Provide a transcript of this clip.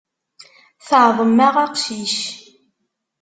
Teεḍem-aɣ aqcic.